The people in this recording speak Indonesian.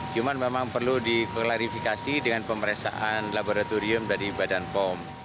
cuma memang perlu diklarifikasi dengan pemeriksaan laboratorium dari badan pom